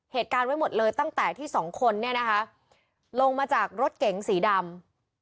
เหตุการณ์ไว้หมดเลยตั้งแต่ที่สองคนเนี่ยนะคะลงมาจากรถเก๋งสีดำ